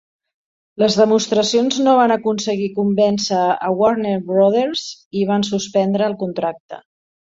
Les demostracions no van aconseguir convèncer a Warner Brothers i van suspendre el contracte.